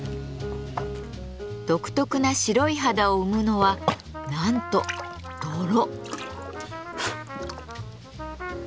独特な白い肌を生むのはなんと泥！